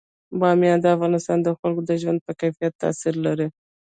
بامیان د افغانستان د خلکو د ژوند په کیفیت تاثیر لري.